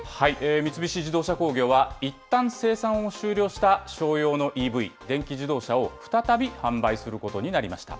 三菱自動車工業は、いったん生産を終了した商用のＥＶ・電気自動車を再び販売することになりました。